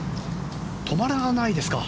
止まらないですか。